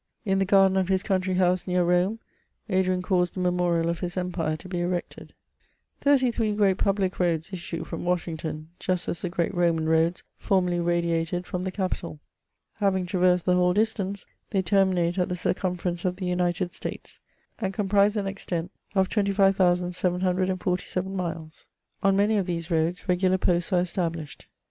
In the garden of his country house near Rome, Adrian caused a memonal of his em pire to be erected* Thirty three great public roads issue from Washington, just as the great Roman roads formerly radiated from the Capitol ; having traversed the whole distance, they terminate at the circum ference of the United States, and comprise an extent of 25,747 miles. On many of these roads regular posts are established.